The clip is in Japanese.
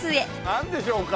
なんでしょうか？